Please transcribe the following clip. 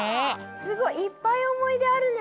すごいいっぱいおもいであるね。